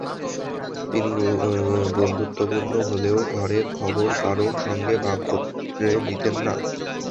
তিনি বন্ধুত্বপূর্ণ হলেও ঘরের খবর কারও সঙ্গে ভাগ করে নিতেন না।